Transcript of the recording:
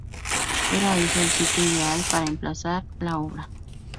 Era esa el sitio ideal para emplazar la obra.